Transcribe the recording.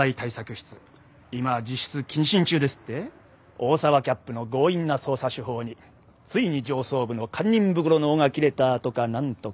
大澤キャップの強引な捜査手法についに上層部の堪忍袋の緒が切れたとか何とか。